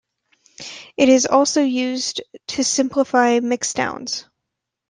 It is also used to simplify mixdowns.